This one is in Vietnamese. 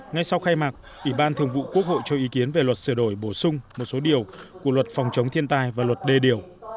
ngay sau khai mạc ủy ban thường vụ quốc hội cho ý kiến về luật sửa đổi bổ sung một số điều của luật phòng chống thiên tai và luật đê điều